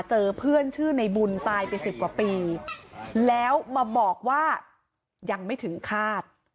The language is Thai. เจอเพื่อนชื่อในบุญตายไปสิบกว่าปีแล้วมาบอกว่ายังไม่ถึงคาด